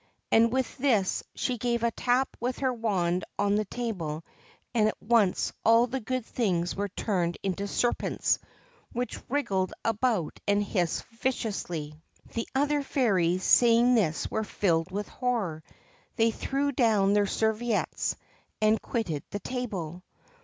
And with this she gave a tap with her wand on the table and at once all the good things were turned into serpents, which wriggled about and hissed viciously. The other fairies, seeing this, were filled with horror ; they threw down their serviettes and quitted the table.